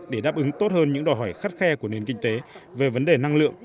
để đáp ứng tốt hơn những đòi hỏi khắt khe của nền kinh tế về vấn đề năng lượng